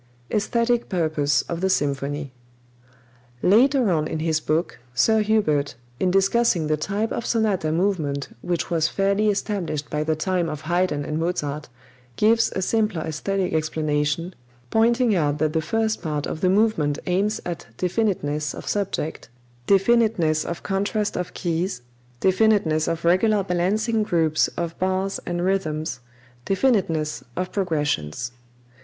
Esthetic Purpose of the Symphony. Later on in his book, Sir Hubert, in discussing the type of sonata movement which was fairly established by the time of Haydn and Mozart, gives a simpler esthetic explanation, pointing out that the first part of the movement aims at definiteness of subject, definiteness of contrast of keys, definiteness of regular balancing groups of bars and rhythms, definiteness of progressions.